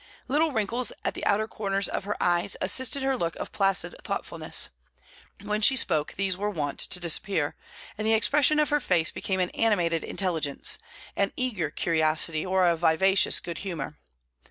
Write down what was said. Little wrinkles at the outer corners of her eyes assisted her look of placid thoughtfulness; when she spoke, these were wont to disappear, and the expression of her face became an animated intelligence, an eager curiosity, or a vivacious good humour.